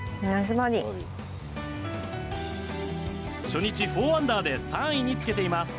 初日４アンダーで３位につけています。